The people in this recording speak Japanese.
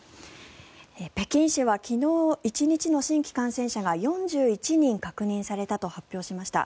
北京市は昨日１日の新規感染者が４１人確認されたと発表しました。